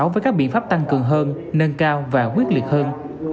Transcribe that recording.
với các biện pháp tăng cường hơn nâng cao và quyết liệt hơn